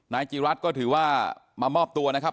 นายจีรัฐก็ถือว่ามามอบตัวนะครับ